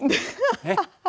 アハハハ。